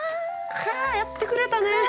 かっやってくれたね。